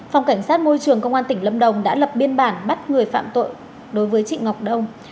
phòng cảnh sát môi trường công an tỉnh lâm đồng đã lập biên bản bắt người phạm tội đối với chị ngọc đông